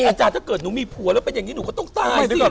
อาจารย์ถ้าเกิดหนูมีผัวแล้วเป็นอย่างนี้หนูก็ต้องตายสิ